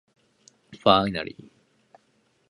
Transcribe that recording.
This type of oar is much better for long-range rowing.